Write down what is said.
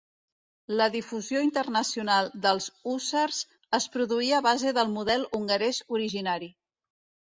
La difusió internacional dels hússars es produí a base del model hongarès originari.